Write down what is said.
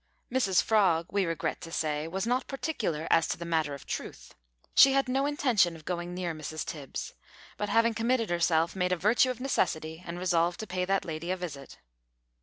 Mrs Frog, we regret to say, was not particular as to the matter of truth. She had no intention of going near Mrs Tibbs, but, having committed herself, made a virtue of necessity, and resolved to pay that lady a visit.